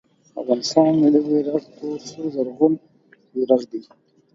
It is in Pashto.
د افغانستان ملي بیرغ تور، سور او شین رنګ لري.